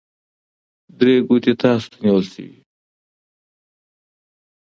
درې ګوتې تاسو ته نیول شوي وي.